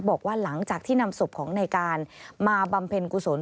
บอกว่าหลังจากที่นำศพของในการมาบำเพ็ญกุศล